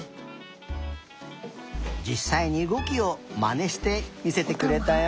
じっさいにうごきをまねしてみせてくれたよ。